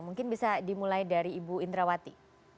mungkin bisa dimulai dari ibu indrawati